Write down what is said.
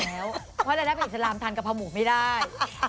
เพราะดาดดาไปอีกสลามทานกะเพราหมูไม่ได้